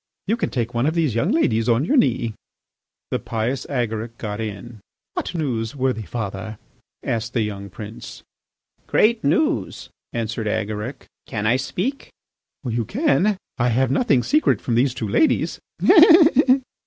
You can take one of these young ladies on your knee." The pious Agaric got in. "What news, worthy father?" asked the young prince. "Great news," answered Agaric. "Can I speak?" "You can. I have nothing secret from these two ladies."